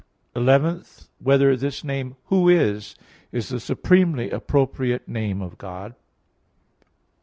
(11) Whether this name, "Who is," is the supremely appropriate name of God?